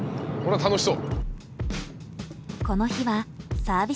楽しそう。